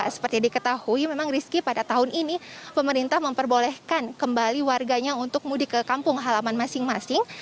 seperti diketahui memang rizky pada tahun ini pemerintah memperbolehkan kembali warganya untuk mudik ke kampung halaman masing masing